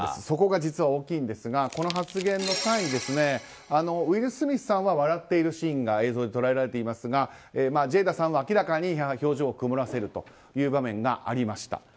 そこが実は大きいんですがこの発言の際にウィル・スミスさんは笑っているシーンが映像で捉えられていますがジェイダさんは明らかに表情を曇らせるという場面がありました。